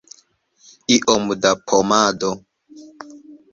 Iom da pomado?